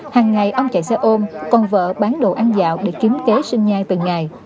hằng ngày ông chạy xe ôm còn vợ bán đồ ăn dạo để kiếm kế sinh nhai từng ngày